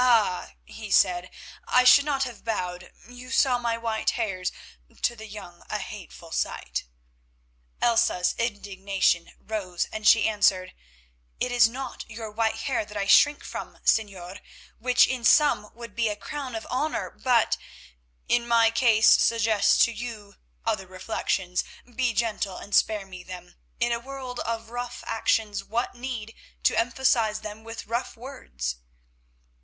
"Ah!" he said, "I should not have bowed, you saw my white hairs—to the young a hateful sight." Elsa's indignation rose, and she answered: "It is not your white hair that I shrink from, Señor, which in some would be a crown of honour, but——" "In my case suggests to you other reflections. Be gentle and spare me them. In a world of rough actions, what need to emphasise them with rough words?"